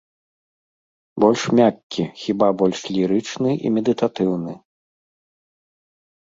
Больш мяккі, хіба больш лірычны і медытатыўны.